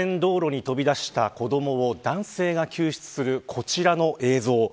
突然、道路に飛び出した子どもを男性が救出するこちらの映像。